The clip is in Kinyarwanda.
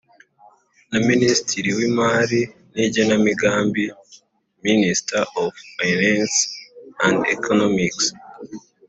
Na minisitiri w imari n igenamigambi minister of finance and economic